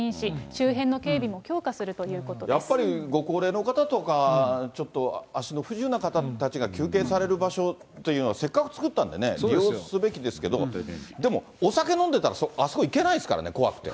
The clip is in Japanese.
周辺の警備も強化するということやっぱりご高齢の方とか、ちょっと足の不自由な方たちが休憩される場所というのをせっかく作ったんでね、利用すべきですけれども、でも、お酒飲んでたらあそこ行けないですからね、怖くて。